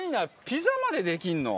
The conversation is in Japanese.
ピザまでできんの？